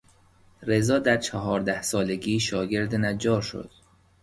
رضا در چهارده سالگی شاگرد نجار شد.